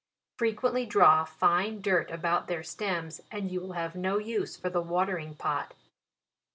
Frequently draw tine dirt about their stems, and you will have no use for the watering pot.